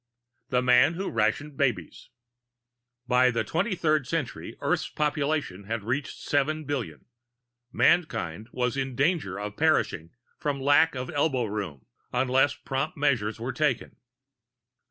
] THE MAN WHO RATIONED BABIES By the 23rd century Earth's population had reached seven billion. Mankind was in danger of perishing for lack of elbow room unless prompt measures were taken.